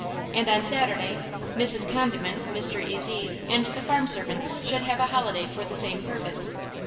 And on Saturday Mrs. Condiment, Mr. Ezy and the farm servants should have a holiday for the same purpose.